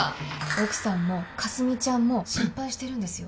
奥さんもかすみちゃんも心配してるんですよ